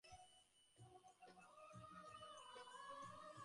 ভক্ত ভগবানকে ভালবাসেন, কারণ তিনি না ভালবাসিয়া থাকিতে পারেন না।